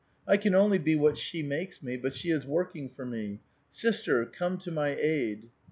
I can only bo wbat she makes me ; but she is working for me. Sister, come to my aid."